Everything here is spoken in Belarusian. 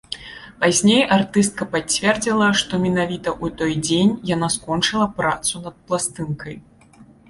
Пазней артыстка пацвердзіла, што менавіта ў той дзень яна скончыла працу над пласцінкай.